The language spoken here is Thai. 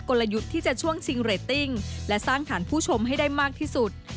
ลยุทธ์ที่จะช่วงชิงเรตติ้งและสร้างฐานผู้ชมให้ได้มากที่สุด